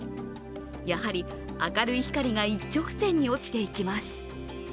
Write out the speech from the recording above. やはり明るい光が一直線に落ちていきます。